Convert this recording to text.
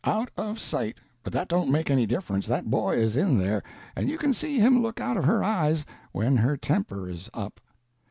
Out of sight, but that don't make any difference, that boy is in there, and you can see him look out of her eyes when her temper is up."